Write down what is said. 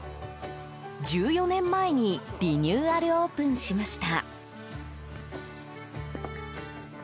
１４年前にリニューアルオープンしました。